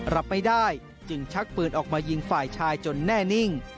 รับไม่ได้จึงชักปืนออกมายิงฝ่ายชายจนแน่นิ่ง